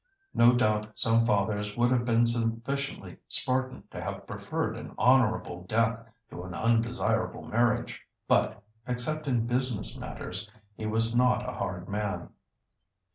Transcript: No doubt some fathers would have been sufficiently Spartan to have preferred an honourable death to an undesirable marriage. But, except in business matters, he was not a hard man.